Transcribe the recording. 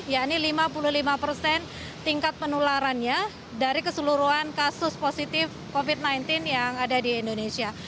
yakni lima puluh lima persen tingkat penularannya dari keseluruhan kasus positif covid sembilan belas yang ada di indonesia